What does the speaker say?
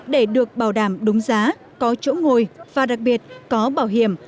để được bảo đảm đúng giá có chỗ ngồi và đặc biệt có bảo hiểm